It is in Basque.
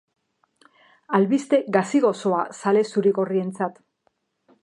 Albiste gazi-gozoa zale zuri-gorrientzat.